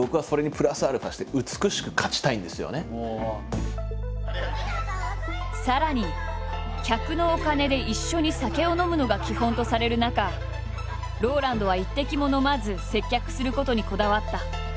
でもさらに客のお金で一緒に酒を飲むのが基本とされる中ＲＯＬＡＮＤは一滴も飲まず接客することにこだわった。